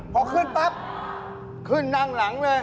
พอขึ้นปั๊บขึ้นนั่งหลังเลย